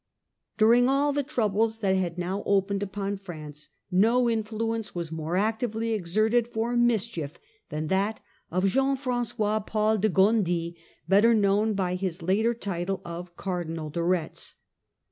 During all the troubles that had now opened upon France, no influence was more actively exerted for mis chief than that of Jean Frangois Paul de Cardinal Gondi, better known by his later title of Car DeRetz. dmal de Retz.